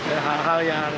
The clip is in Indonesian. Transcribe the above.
ada hal hal yang